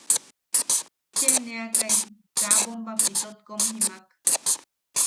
Cheʼeneakai kaa bombam itot kom jimaak.